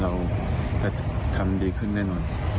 เราจะทำดีขึ้นแน่นอน